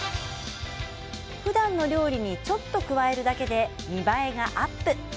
ふだんの料理にちょっと加えるだけで見栄えがアップ。